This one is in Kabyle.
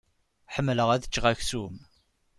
Ḥemmleɣ ad ččeɣ aksum.